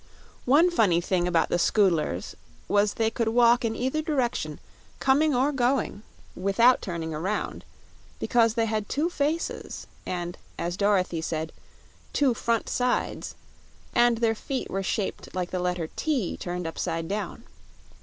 One funny thing about the Scoodlers was they could walk in either direction, coming or going, without turning around; because they had two faces and, as Dorothy said, "two front sides," and their feet were shaped like the letter T upside down.